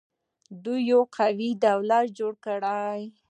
دوی یو قوي دولت جوړ کړ